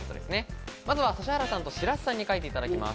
まずは指原さんと白洲さんに書いてもらいます。